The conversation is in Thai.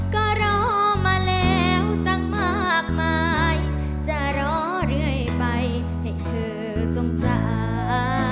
ก็รอมาแล้วตั้งมากมายจะรอเรื่อยไปให้เธอสงสาร